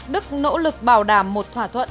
đức nỗ lực bảo đảm một thỏa thuận